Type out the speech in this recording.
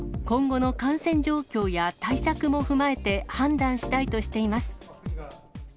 今後の感染状況や対策も踏まえて、判断したいとしています。